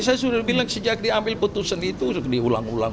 saya sudah bilang sejak diambil putusan itu diulang ulang